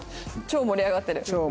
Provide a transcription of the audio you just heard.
超盛り上がってる。